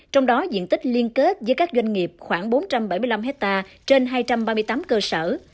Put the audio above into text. trong đó diện tích liên kết với các doanh nghiệp khoảng bốn trăm bảy mươi năm hectare trên hai trăm ba mươi tám cơ sở